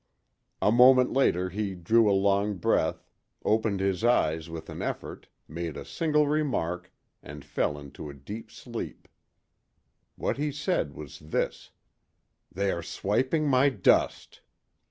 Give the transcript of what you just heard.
A moment later he drew a long breath, opened his eyes with an effort, made a single remark, and fell into a deep sleep. What he said was this: "They are swiping my dust!"